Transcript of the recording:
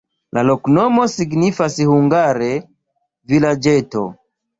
La loknomo signifas hungare: vilaĝeto.